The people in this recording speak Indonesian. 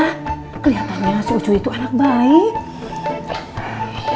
keliatannya si ucuy itu anak baik